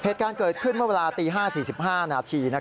เหตุการณ์เกิดขึ้นเมื่อเวลาตี๕๔๕นาที